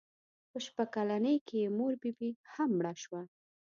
په شپږ کلنۍ کې یې مور بي بي هم مړه شوه.